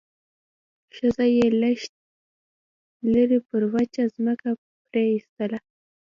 ښځه يې لږ لرې پر وچه ځمکه پرېيستله.